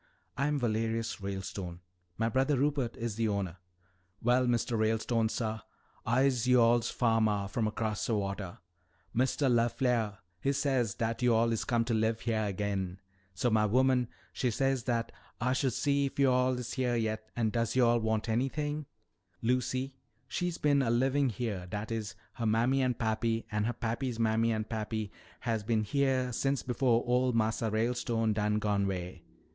"I'm Valerius Ralestone. My brother Rupert is the owner." "Well, Mistuh Ralestone, suh, I'se yo'all's fahmah from 'cross wata. Mistuh LeFleah, he says dat yo'all is come to live heah agin. So mah woman, she says dat Ah should see if yo'all is heah yet and does yo'all want anythin'. Lucy, she's bin a livin' heah, dat is, her mammy and pappy and her pappy's mammy and pappy has bin heah since befo' old Massa Ralestone done gone 'way.